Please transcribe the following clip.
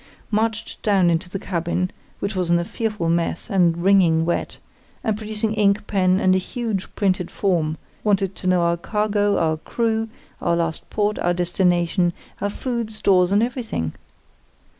marched down into the cabin, which was in a fearful mess and wringing wet, and producing ink, pen, and a huge printed form, wanted to know our cargo, our crew, our last port, our destination, our food, stores, and everything.